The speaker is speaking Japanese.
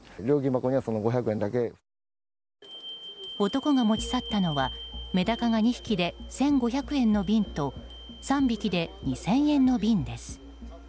男が持ち去ったのはメダカが２匹で１５００円の瓶と３匹で２０００円の瓶です。